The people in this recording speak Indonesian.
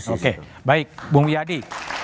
oke baik bung yadi